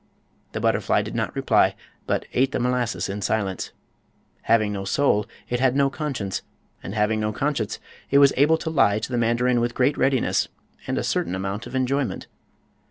The butterfly did not reply, but ate the molasses in silence. Having no soul it had no conscience, and having no conscience it was able to lie to the mandarin with great readiness and a certain amount of enjoyment.